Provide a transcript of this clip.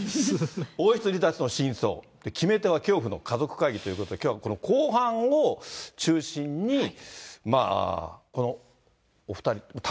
王室離脱の真相、決め手は恐怖の家族会議ということで、きょうはこの後半を中心に、このお２人、そうですね。